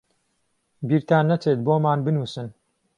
بیرتان نەچێت بۆمان بنووسن.